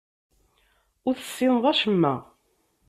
Ur tessineḍ acemma.